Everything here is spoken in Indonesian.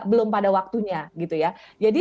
belum pada waktunya gitu ya jadi